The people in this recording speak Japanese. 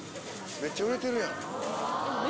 めっちゃ売れてるよ。